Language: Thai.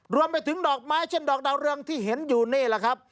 รวมไปถึงดอกไม้เช่นดอกดาวเรืองที่เห็นอยู่นี่แหละครับ